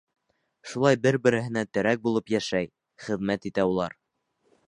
Шулай бер-береһенә терәк булып йәшәй, хеҙмәт итә улар.